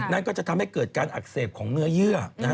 นั้นก็จะทำให้เกิดการอักเสบของเนื้อเยื่อ